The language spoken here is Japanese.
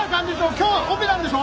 今日オペなんでしょう？